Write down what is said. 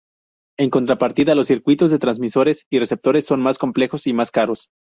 En contrapartida, los circuitos de transmisores y receptores son más complejos y más caros.